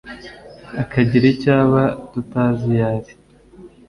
akagira icyo aba tutazi iyo ari